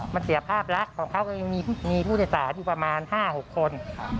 มันเสียภาพลักษณ์ของเขาก็ยังมีผู้โดยสารอยู่ประมาณ๕๖คน